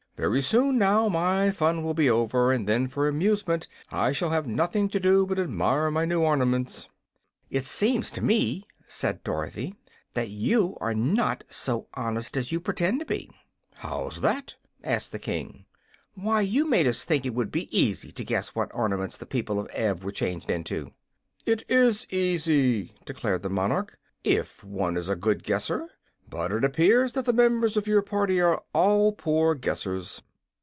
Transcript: Very soon, now, my fun will be over, and then for amusement I shall have nothing to do but admire my new ornaments." "It seems to me," said Dorothy, "that you are not so honest as you pretend to be." "How's that?" asked the King. "Why, you made us think it would be easy to guess what ornaments the people of Ev were changed into." "It IS easy," declared the monarch, "if one is a good guesser. But it appears that the members of your party are all poor guessers."